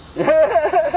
ハハハハ！